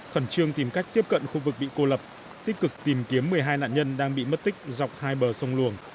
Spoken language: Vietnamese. khẩn trương tìm cách tiếp cận khu vực bị cô lập tích cực tìm kiếm một mươi hai nạn nhân đang bị mất tích dọc hai bờ sông luồng